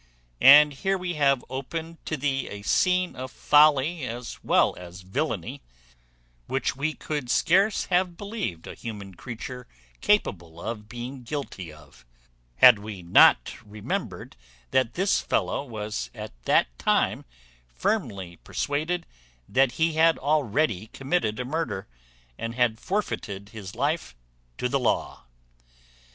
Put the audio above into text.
And here we have opened to thee a scene of folly as well as villany, which we could scarce have believed a human creature capable of being guilty of, had we not remembered that this fellow was at that time firmly persuaded that he had already committed a murder, and had forfeited his life to the law.